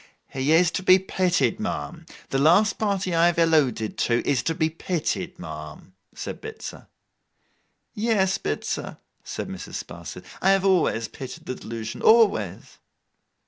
'He is to be pitied, ma'am. The last party I have alluded to, is to be pitied, ma'am,' said Bitzer. 'Yes, Bitzer,' said Mrs. Sparsit. 'I have always pitied the delusion, always.